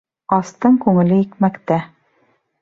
Астың күңеле икмәктә